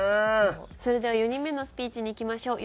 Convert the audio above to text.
それでは４人目のスピーチにいきましょう。